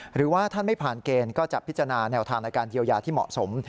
หรือว่าท่านไม่ผ่านเกณฑ์ก็จะพิจารณาแนวทางในการเยียวยาที่เหมาะสม